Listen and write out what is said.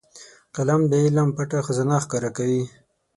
قلم د علم پټ خزانه ښکاره کوي